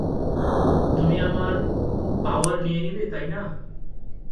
তুমি আমার পাওয়ার নিয়ে নিবে, তাই না?